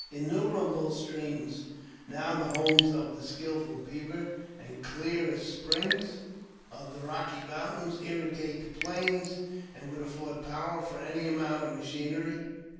Innumerable streams, now the homes of the skilfal beaver, and clear as the springs of the Rocky Mountains, irrigate the plains, and would afford power for any amount of machinery.